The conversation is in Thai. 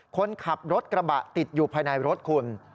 คนขับรถกระบะติดอยู่ภายในรถคุณ